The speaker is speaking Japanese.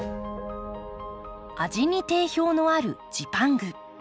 味に定評のあるジパング。